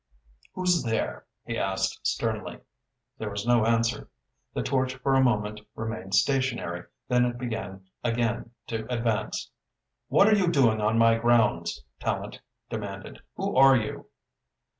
"Who's there?" he asked sternly. There was no answer. The torch for a moment remained stationary, then it began again to advance. "What are you doing in my grounds?" Tallente demanded. "Who are you?"